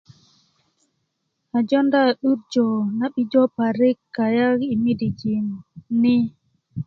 a jonda 'durjö na'bijo parik kayaŋ yi midijin ni